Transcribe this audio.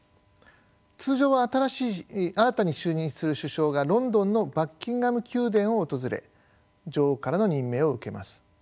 通常は新たに就任する首相がロンドンのバッキンガム宮殿を訪れ女王からの任命を受けます。